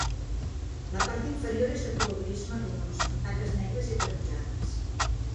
La part inferior és de color gris marronós amb taques negres i ataronjades.